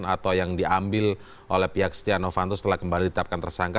atau yang diambil oleh pihak setia novanto setelah kembali ditetapkan tersangka